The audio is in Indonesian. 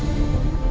nih ini udah gampang